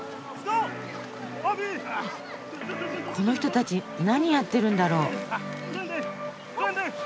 この人たち何やってるんだろう？